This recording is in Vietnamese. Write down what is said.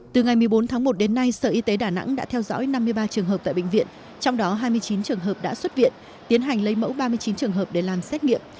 từ ngày một mươi bốn tháng một đến nay sở y tế đà nẵng đã theo dõi năm mươi ba trường hợp tại bệnh viện trong đó hai mươi chín trường hợp đã xuất viện tiến hành lấy mẫu ba mươi chín trường hợp để làm xét nghiệm